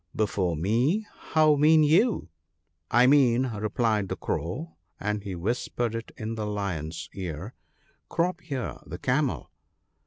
" Before me ! how mean you ?"" I mean," replied the Crow (and he whispered it in the Lion's ear), " Crop ear, the Camel